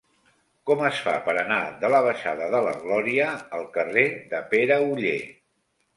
Com es fa per anar de la baixada de la Glòria al carrer de Pere Oller?